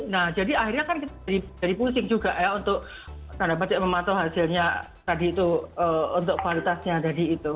nah jadi akhirnya kan kita jadi pusing juga ya untuk tanda petik memantau hasilnya tadi itu untuk kualitasnya tadi itu